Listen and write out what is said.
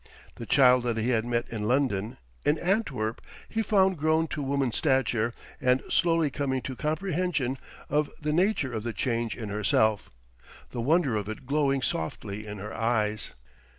The child that he had met in London, in Antwerp he found grown to woman's stature and slowly coming to comprehension of the nature of the change in herself, the wonder of it glowing softly in her eyes....